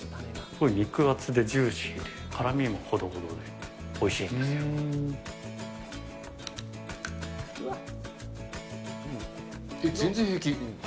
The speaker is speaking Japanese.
これ肉厚でジューシーで、辛みもほどほどで、おいしいんで全然平気。